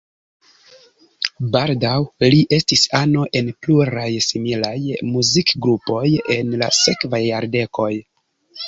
Baldaŭ li estis ano en pluraj similaj muzikgrupoj en la sekvaj jardekoj.